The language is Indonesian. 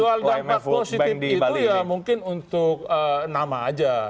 soal dampak positif itu ya mungkin untuk nama aja